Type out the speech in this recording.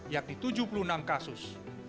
yakni tujuh puluh enam kasus